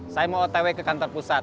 saya mau otw ke kantor pusat